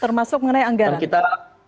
termasuk mengenai anggaran